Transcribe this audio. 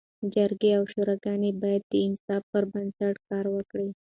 جرګي او شوراګاني باید د انصاف پر بنسټ کار وکړي.